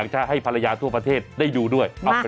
สักตั้งนี้เลยมือล่มหัวแตกลด